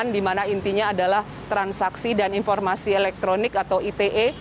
di mana intinya adalah transaksi dan informasi elektronik atau ite